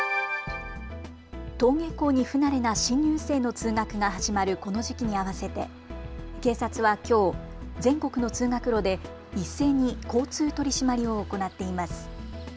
登下校に不慣れな新入生の通学が始まるこの時期に合わせて警察はきょう全国の通学路で一斉に交通取締りを行っています。